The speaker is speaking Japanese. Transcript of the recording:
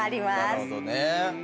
なるほどね。